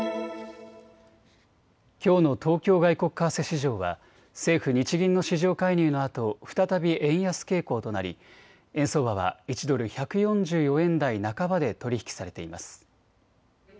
きょうの東京外国為替市場は政府・日銀の市場介入のあと再び円安傾向となり円相場は１ドル１４４円台半ばで取り引きされています。